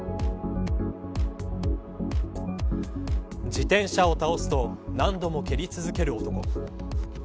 自転車を倒すと何度も蹴り続ける男。